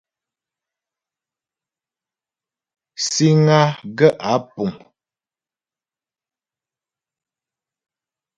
Síŋ á gaə̂ ǎ pùŋ.